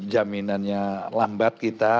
jaminannya lambat kita